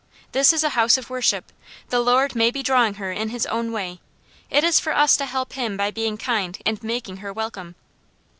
This is a house of worship. The Lord may be drawing her in His own way. It is for us to help Him by being kind and making her welcome."